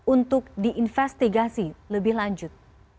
untuk diinvestigasi lebih lanjut